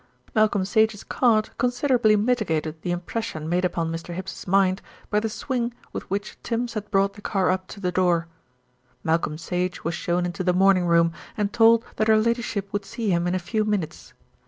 Malcolm Sage's card considerably mitigated the impression made upon Mr. Hibbs's mind by the swing with which Tims had brought the car up to the door. Malcolm Sage was shown into the morning room and told that her ladyship would see him in a few minutes.